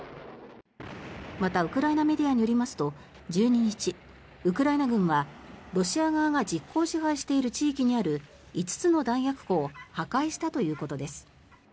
また、ウクライナメディアによりますと、１２日ウクライナ軍はロシア側が実効支配している地域にある５つの弾薬庫を破壊したということです。